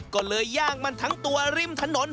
ก็เลยย่างมันทั้งตัวริมถนน